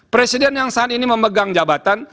presiden yang saat ini memegang jabatan